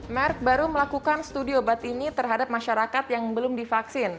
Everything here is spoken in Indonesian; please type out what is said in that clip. merk baru melakukan studi obat ini terhadap masyarakat yang belum divaksin